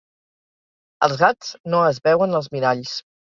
Els gats no es veuen als miralls.